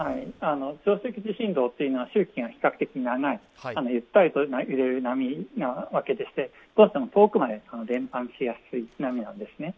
長周期地震動というのは周期が比較的長い、ゆったりと揺れる波なわけでして少なくとも遠くまで伝播しやすい波なんですね。